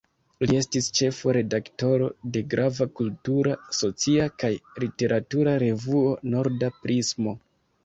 Li estis ĉefo-redaktoro de grava kultura, socia kaj literatura revuo "Norda Prismo".